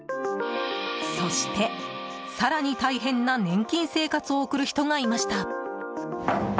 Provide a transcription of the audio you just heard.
そして、更に大変な年金生活を送る人がいました。